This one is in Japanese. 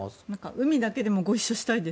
海だけでもご一緒したいです。